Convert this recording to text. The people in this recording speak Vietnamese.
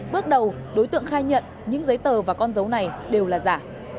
bước đầu đối tượng khai nhận những giấy tờ và con dấu này đều là giả